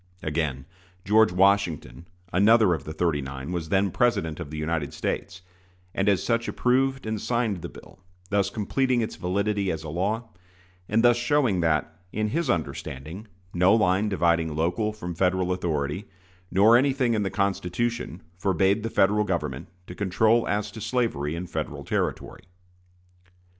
Again, George Washington, another of the "thirty nine," was then President of the United States, and as such approved and signed the bill, thus completing its validity as a law, and thus showing that, in his understanding, no line dividing local from Federal authority, nor anything in the Constitution, forbade the Federal Government to control as to slavery in Federal territory.